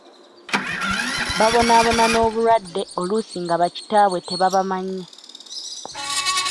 Babonaabona n'obulwadde oluusi nga ba kitaabwe tebabamanyi.